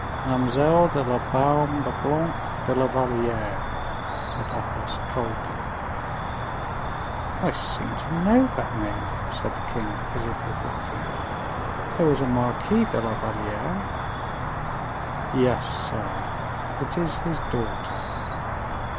"Mademoiselle de la Baume le Blanc de la Valliere," said Athos, coldly. "I seem to know that name," said the king, as if reflecting; "there was a Marquis de la Valliere." "Yes, sire, it is his daughter."